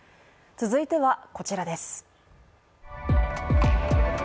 続いてはこちらです。